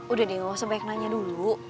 udah nio sebanyak nanya dulu